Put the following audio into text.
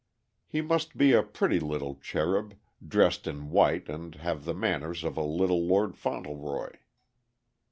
He must be a pretty little cherub, dressed in white and have the manners of a Little Lord Fauntleroy.